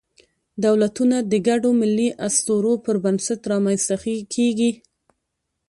دولتونه د ګډو ملي اسطورو پر بنسټ رامنځ ته کېږي.